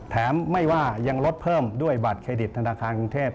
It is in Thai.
ไม่ว่ายังลดเพิ่มด้วยบัตรเครดิตธนาคารกรุงเทพ